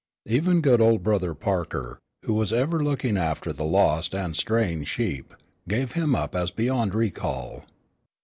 Even good old Brother Parker, who was ever looking after the lost and straying sheep, gave him up as beyond recall.